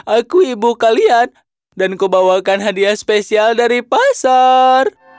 aku ibu kalian dan kubawakan hadiah spesial dari pasar